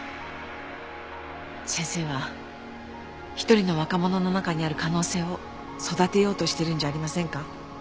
先生は一人の若者の中にある可能性を育てようとしてるんじゃありませんか？